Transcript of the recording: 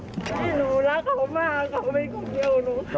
ที่หนูรักเขามากเขาไม่ยุ่งเกี่ยวหนู